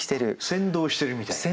先導してるみたいな。